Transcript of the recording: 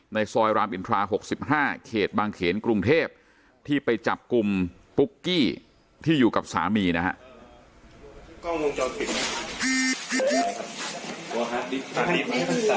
ในซอยลามอินทราหกสิบห้าเขตบางเขนกรุงเทพที่ไปจับกลุ่มที่อยู่กับสามีนะฮะ